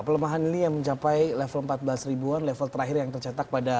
pelemahan lili yang mencapai level empat belas ribuan level terakhir yang tercetak pada dua ribu dua puluh